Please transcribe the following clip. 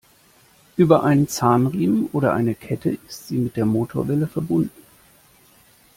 Über einen Zahnriemen oder eine Kette ist sie mit der Motorwelle verbunden.